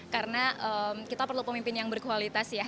karena kita perlu pemimpin yang berkualitas ya